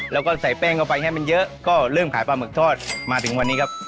แล้วก็ใส่แป้งเข้าไปให้มันเยอะก็เริ่มขายปลาหมึกทอดมาถึงวันนี้ครับ